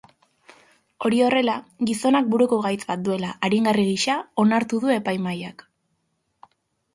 Hori horrela, gizonak buruko gaitz bat duela aringarri gisa onartu du epaimahaiak.